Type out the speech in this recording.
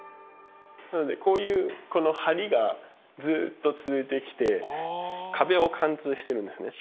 こういうこの梁がずっと続いてきて壁を貫通してるんですね。